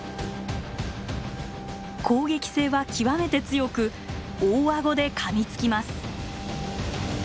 攻撃性は極めて強く大顎でかみつきます。